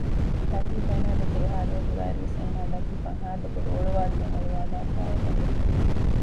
ލަތީފް އޭނާ ދެކެ އެހާ ލޯބިވާއިރުވެސް އޭނާ ލަތީފްއަށް ހާދަބޮޑު އޮޅުވާލުމެއް އޮޅުވާލާފައި އެބަވެ